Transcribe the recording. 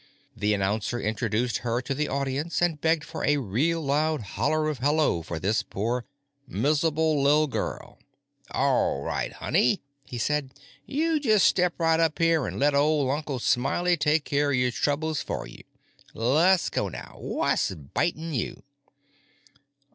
The announcer introduced her to the audience and begged for a real loud holler of hello for this poor mizzuble li'l girl. "Awright, honey," he said. "You just step right up here an' let ol' Uncle Smiley take care of your troubles for you. Less go, now. What's Bitin' You?"